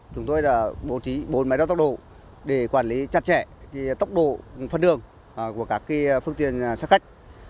chúng tôi đã bố trí bốn máy đo tốc độ để quản lý chặt chẽ tốc độ phân đường của các phương tiện xác khách